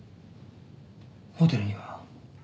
ホテルには？